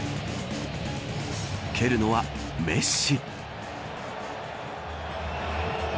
蹴るのはメッシ。